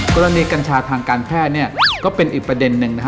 กรณีกัญชาทางการแพทย์ก็เป็นอีกประเด็นนึง